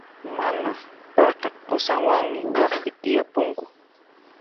Mana, payqa qusanwanmi waqpi tiyapunku.